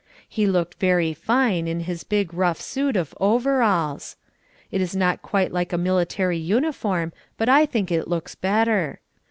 He looked very fine in his big rough suit of overalls. It is not quite like a military uniform, but I think it looks better.